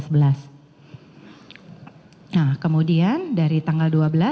nah kemudian dari tanggal dua belas